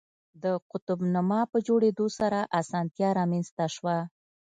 د قطب نما په جوړېدو سره اسانتیا رامنځته شوه.